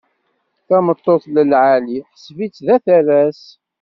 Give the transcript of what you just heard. Tameṭṭut lɛali, ḥseb-itt d aterras.